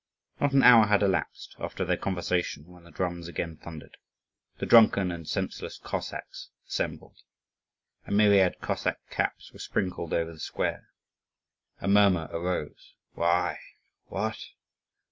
Not an hour had elapsed after their conversation, when the drums again thundered. The drunken and senseless Cossacks assembled. A myriad Cossack caps were sprinkled over the square. A murmur arose, "Why? What?